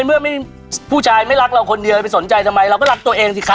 เมื่อผู้ชายไม่รักเราคนเดียวไปสนใจทำไมเราก็รักตัวเองสิคะ